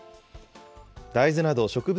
大豆など植物